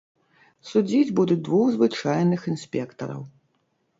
Судзіць будуць двух звычайных інспектараў.